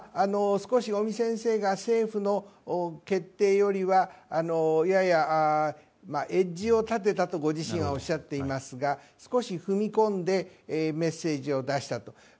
少し尾身先生が政府の決定よりはややエッジを立てたとご自身はおっしゃっていますが少し踏み込んでメッセージを出したと。